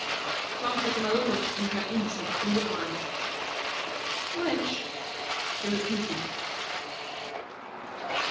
Tom took another look into her innocent blue eyes. "Which?" she repeated.